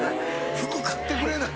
服買ってくれない？